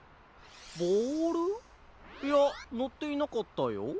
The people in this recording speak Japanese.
ボールいやのっていなかったよ。